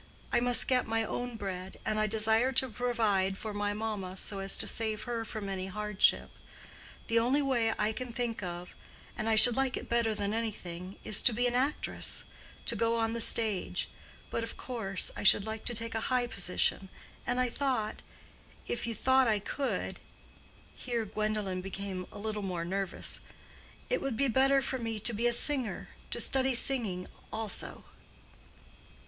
I must get my own bread, and I desire to provide for my mamma, so as to save her from any hardship. The only way I can think of—and I should like it better than anything—is to be an actress—to go on the stage. But, of course, I should like to take a high position, and I thought—if you thought I could"—here Gwendolen became a little more nervous—"it would be better for me to be a singer—to study singing also."